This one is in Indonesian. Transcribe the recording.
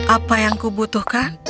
apa yang kubutuhkan